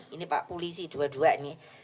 ini pak kuli sih dua duanya